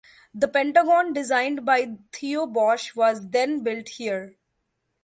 The Pentagon designed by Theo Bosch was then built here.